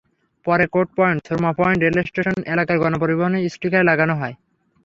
পরে court point, Surma point, rail station এলাকার গণপরিবহনে স্টিকার লাগানো হয়।